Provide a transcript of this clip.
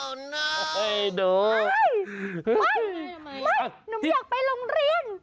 โอ้โหไม่ไม่หนูไม่อยากไปโรงเรียน